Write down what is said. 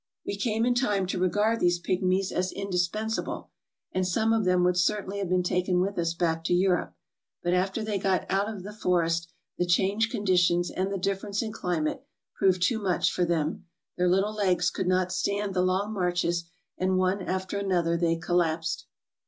We came in time to regard these pig mies as indispensable, and some of them would certainly have been taken with us back to Europe, but after they got out of the forest the changed conditions and the difference in climate proved too much for them. Their little legs could not stand the long marches, and one after another they collapsed.